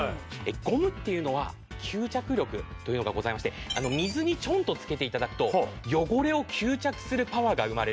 ゴムっていうのは吸着力というのがございまして水にちょんとつけて頂くと汚れを吸着するパワーが生まれるんです。